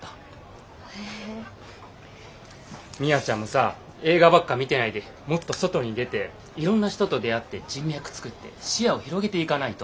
ミワちゃんもさ映画ばっか見てないでもっと外に出ていろんな人と出会って人脈つくって視野を広げていかないと。